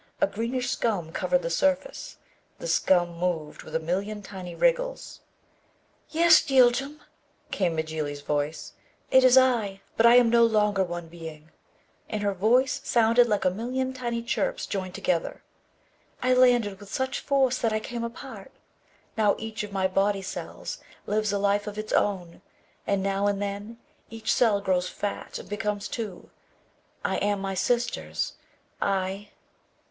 A greenish scum covered the surface. The scum moved with a million tiny wriggles. "Yes, Yljm," came Mjly's voice. "It is I. But I am no longer one being." And her voice sounded like a million tiny chirps joined together. "I landed with such force that I came apart. Now each of my body cells lives a life of its own. And now and then each cell grows fat and becomes two. I am my sisters, I